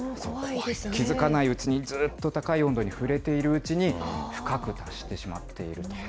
気付かないうちに、ずっと高い温度に触れているうちに、深く達してしまっているという。